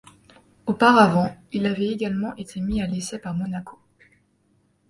Auparavant, il avait également été mis à l'essai par Monaco.